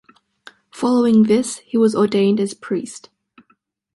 Following this, he was ordained as priest.